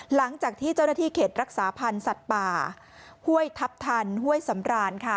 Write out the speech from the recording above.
หลังจากที่เจ้าหน้าที่เขตรักษาพันธ์สัตว์ป่าห้วยทัพทันห้วยสำรานค่ะ